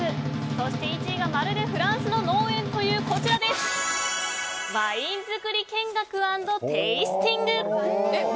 そして、１位がまるでフランスの農園というワイン造り見学＆テイスティング。